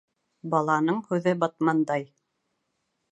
Баланың һүҙе батмандай.